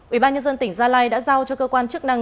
ủy ban nhân dân tỉnh gia lai đã giao cho cơ quan chức năng